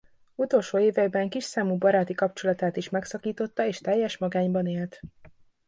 Utolsó éveiben kis számú baráti kapcsolatát is megszakította és teljes magányban élt.